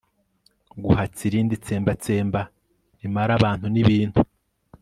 Guhatse irindi tsembatsemba Rimara abantu Ni ibintu